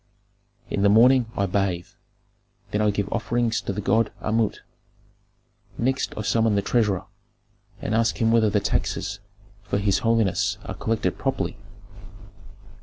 "In the morning I bathe, then I give offerings to the god Amut; next I summon the treasurer, and ask him whether the taxes for his holiness are collected properly.